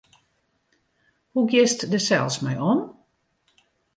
Hoe giest dêr sels mei om?